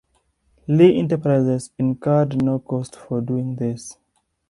Lee Enterprises incurred no cost for doing this.